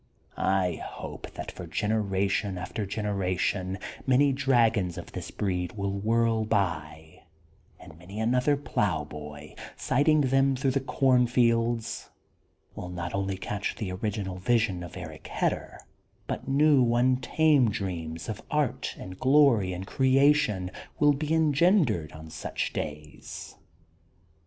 I hope that for generation after generation many dragons of this breed will whirl by, and many another ploughboy, sighting them through THE GOLDEN BOOK OF SPRINGFIELD 188 the cornfields^ will not only catch the original vision of Eric Hedder, but new untamed dreams of art and glory and creation will be engendered on such days.